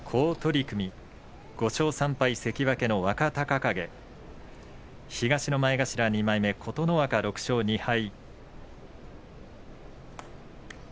好取組５勝３敗、関脇の若隆景東の前頭２枚目の琴ノ若６勝２敗。